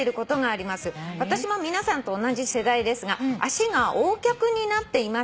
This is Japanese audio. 「私も皆さんと同じ世代ですが足がＯ脚になっていませんか？」